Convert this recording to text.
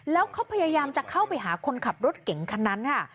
แล้วเขาพยายามจะเข้าไปหาคนขับรถเก่งคันนั้นค่ะ